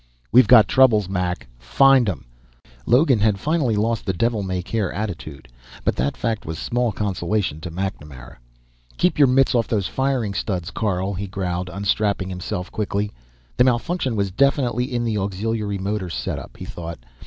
"We've got troubles, Mac find 'em!" Logan had finally lost the devil may care attitude, but that fact was small consolation to MacNamara. "Keep your mitts off those firing studs, Carl," he growled, unstrapping himself quickly. The malfunction was definitely in the auxiliary motor setup, he thought.